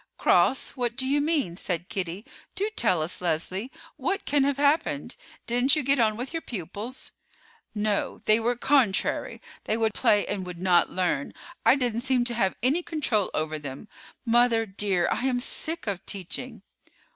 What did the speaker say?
"Cross—what do you mean?" said Kitty. "Do tell us, Leslie, what can have happened. Didn't you get on with your pupils?" "No, they were contrary; they would play and would not learn. I didn't seem to have any control over them. Mother, dear, I am sick of teaching!"